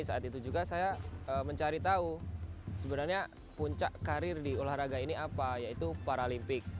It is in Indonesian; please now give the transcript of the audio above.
saat itu juga saya mencari tahu sebenarnya puncak karir di olahraga ini apa yaitu paralimpik